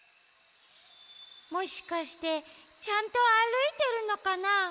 もしかしてちゃんとあるいてるのかな？